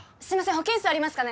保健室ありますかね？